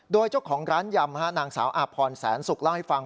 โดยเจ้าของร้านยำนางสาวอาพรแสนสุกเล่าให้ฟัง